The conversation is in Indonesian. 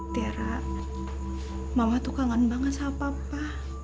tiara mama tuh kangen banget sama papa